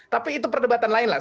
tapi itu perdebatan lainlah